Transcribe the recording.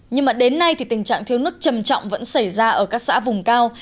nhưng mà đến nay thì tình trạng thiếu nước trầm trọng vẫn xảy ra ở các xã vùng cao